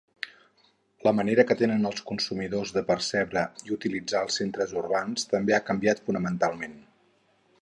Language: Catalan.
La manera que tenen els consumidors de percebre i utilitzar els centres urbans també ha canviat fonamentalment.